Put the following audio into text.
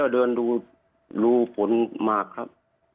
เดินดูรูผลหมากครับ